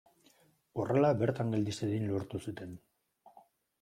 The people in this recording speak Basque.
Horrela bertan geldi zedin lortu zuten.